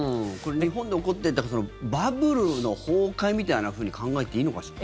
日本で起こっていたバブルの崩壊みたいに考えていいのかしら。